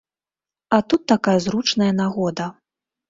А тут такая зручная нагода.